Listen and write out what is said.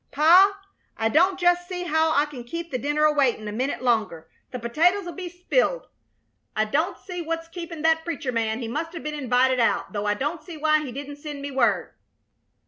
"Pa, I don't just see how I can keep the dinner waitin' a minute longer, The potatoes 'll be sp'iled. I don't see what's keepin' that preacher man. He musta been invited out, though I don't see why he didn't send me word."